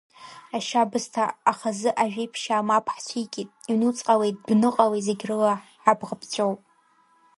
Ашьабысҭа ахазы Ажәеиԥшьаа мап ҳцәикит, ҩнуҵҟалеи дәныҟалеи, зегь рыла ҳабӷа ԥҵәоуп.